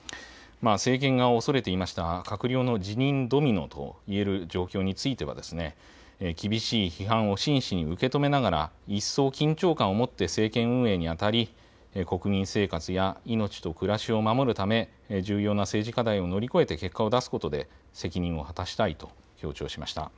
政権が恐れていました閣僚の辞任ドミノと言える状況については厳しい批判を真摯に受け止めながら一層緊張感を持って政権運営にあたり国民生活や命と暮らしを守るため、重要な政治課題を乗り越えて結果を出すことで責任を果たしたいと強調しました。